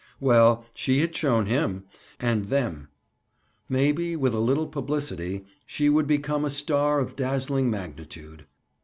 Well, she had shown him—and them. Maybe with a little publicity, she would become a star of dazzling magnitude.